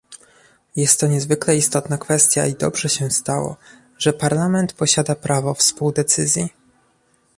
Jest to niezwykle istotna kwestia i dobrze się stało, że Parlament posiada prawo współdecyzji